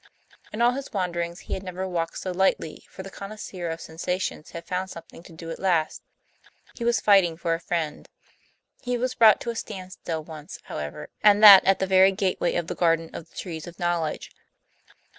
In all his wanderings he had never walked so lightly, for the connoisseur of sensations had found something to do at last; he was fighting for a friend. He was brought to a standstill once, however, and that at the very gateway of the garden of the trees of knowledge.